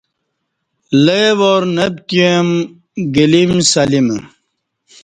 لے وار نہ پتیوم گلیم سلیم